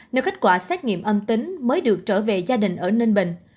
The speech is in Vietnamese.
nếu kết quả xét nghiệm âm tính mới được trở về gia đình ở ninh bình